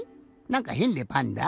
なんかへんでパンダ？